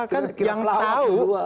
kan yang tahu